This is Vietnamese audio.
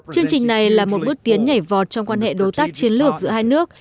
chương trình này là một bước tiến nhảy vọt trong quan hệ đối tác chiến lược giữa hai nước